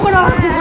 ini anak kamu